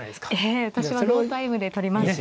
ええ私はノータイムで取ります。ね。